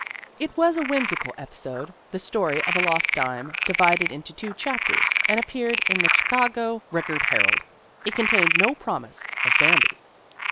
It was a whimsical episode, the story of a lost dime, divided into two "chapters," and appeared in the Chicago Rec ord Herald. It contained no promise of Bambi.